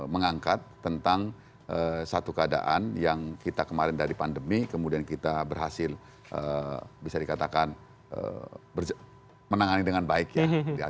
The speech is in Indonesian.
mengangkat tentang satu keadaan yang kita kemarin dari pandemi kemudian kita berhasil bisa dikatakan menangani dengan baik ya